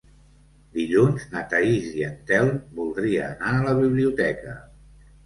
Dilluns na Thaís i en Telm voldria anar a la biblioteca.